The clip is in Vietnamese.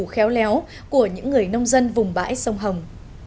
khéo léo của những người nông dân vùng bãi sông hồng